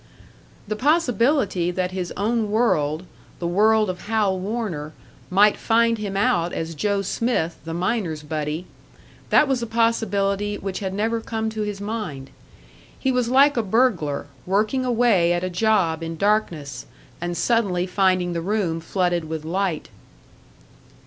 The possibility that his own world, the world of Hal Warner, might find him out as Joe Smith, the miner's buddy that was a possibility which had never come to his mind. He was like a burglar, working away at a job in darkness, and suddenly finding the room flooded with light.